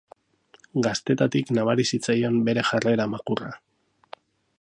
Gaztetatik nabari zitzaion bere jarrera makurra.